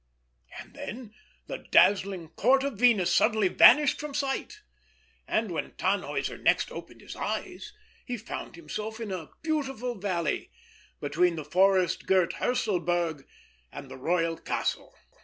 And then the dazzling Court of Venus suddenly vanished from sight; and when Tannhäuser next opened his eyes, he found himself in a beautiful valley, between the forest girt Hörselberg and the royal castle.